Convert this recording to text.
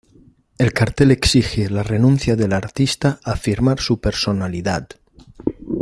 El cartel exige la renuncia del artista a firmar su personalidad.